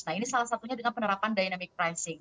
nah ini salah satunya dengan penerapan dynamic pricing